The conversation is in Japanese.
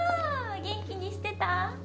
元気にしてた？